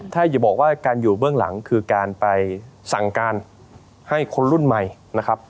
ถ้าอย่าบอกว่าการอยู่เบื้องหลังคือการไปสั่งการให้คนรุ่นใหม่นะครับ